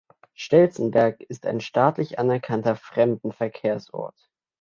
Stelzenberg ist ein staatlich anerkannter Fremdenverkehrsort.